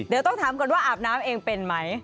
เดี๋ยวต้องถามก่อนว่าอาบน้ำเองเป็นไหม